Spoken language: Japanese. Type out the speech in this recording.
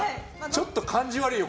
ちょっと感じ悪いよ